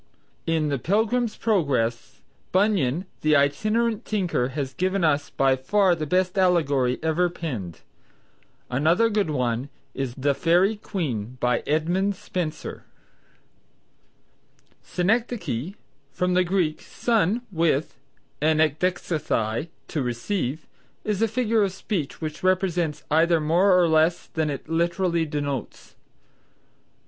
In the "Pilgrim's Progress," Bunyan, the itinerant tinker, has given us by far the best allegory ever penned. Another good one is "The Faerie Queen" by Edmund Spenser. Synecdoche (from the Greek, sun with, and ekdexesthai, to receive), is a figure of speech which expresses either more or less than it literally denotes.